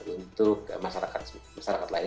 untuk masyarakat masyarakat lain